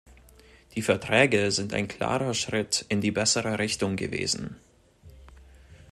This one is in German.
Die Verträge sind ein klarer Schritt in die bessere Richtung gewesen.